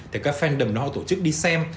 thì các fandom họ tổ chức đi xem